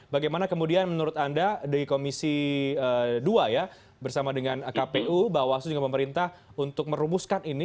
bagaimana kemudian menurut anda di komisi dua ya bersama dengan kpu bawaslu juga pemerintah untuk merumuskan ini